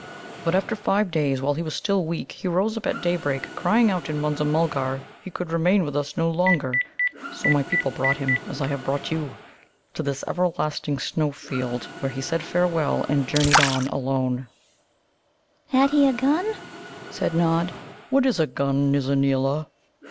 But after five days, while he was still weak, he rose up at daybreak, crying out in Munza mulgar he could remain with us no longer. So my people brought him, as I have brought you, to this everlasting snow field, where he said farewell and journeyed on alone." I suppose, huts or burrowings. "Had he a gun?" said Nod. "What is a gun, Nizza neela?"